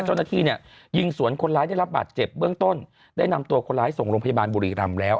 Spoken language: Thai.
เจ้าหน้าที่เนี่ยยิงสวนคนร้ายได้รับบาดเจ็บเบื้องต้นได้นำตัวคนร้ายส่งโรงพยาบาลบุรีรำแล้ว